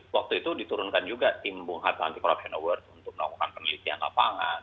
waktu itu diturunkan juga timbung hatta anti korupsi award untuk melakukan penelitian lapangan